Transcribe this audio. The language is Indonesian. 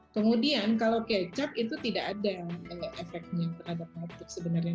kemudian kalau kecap itu tidak ada efeknya terhadap batuk sebenarnya